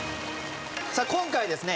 さあ今回ですね